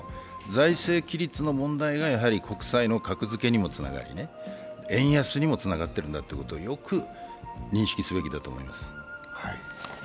財政規律の問題が国債の格付けにもつながり、円安にもつながっているんだということをよく認識すべきだと思います。